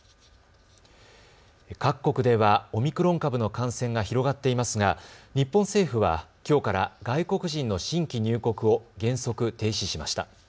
各国ではオミクロン株の感染が広がっていますが、日本政府はきょうから外国人の新規入国を原則停止しました。